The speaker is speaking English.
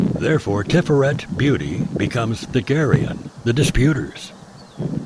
Therefore Tiferet, beauty, becomes Thagirion, the disputers.